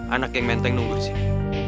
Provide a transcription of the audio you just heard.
anak yang menteng nunggu disini